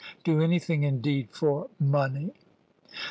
Do anything, indeed, for money!"